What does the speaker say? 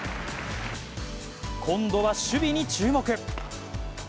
今度は守備に注目。